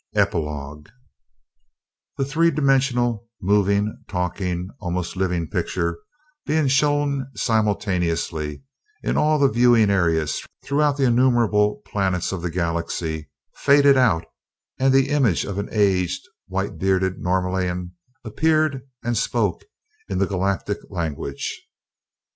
Epilogue The three dimensional, moving, talking, almost living picture, being shown simultaneously in all the viewing areas throughout the innumerable planets of the Galaxy, faded out and the image of an aged, white bearded Norlaminian appeared and spoke in the Galactic language.